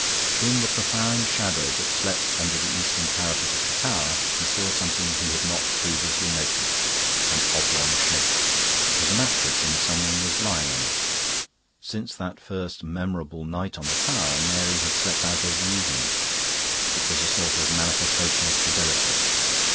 In the profound shadow that slept under the eastern parapet of the tower, he saw something he had not previously noticed an oblong shape. It was a mattress, and someone was lying on it. Since that first memorable night on the tower, Mary had slept out every evening; it was a sort of manifestation of fidelity.